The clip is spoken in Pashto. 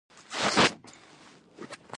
دوی د بشریت برخه دي.